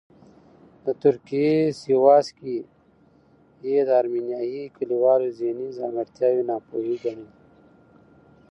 د ترکیې سیواس کې یې د ارمینیايي کلیوالو ذهني ځانګړتیاوې ناپوهې ګڼلې.